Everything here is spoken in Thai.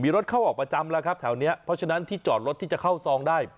รถเข้าออกประจำแล้วครับแถวนี้เพราะฉะนั้นที่จอดรถที่จะเข้าซองได้